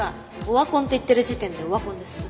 オワコンって言ってる時点でオワコンです。